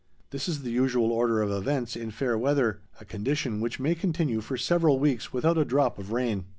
This is the usual order of events in fair weather, a condition which may continue for several weeks without a drop of rain.